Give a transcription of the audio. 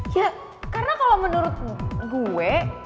ya karena kalau menurut gue